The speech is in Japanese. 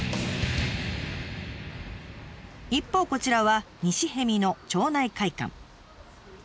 一方こちらは西逸見の町内会館。